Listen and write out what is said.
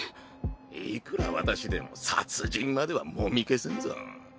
いくら私でも殺人まではもみ消せんぞ・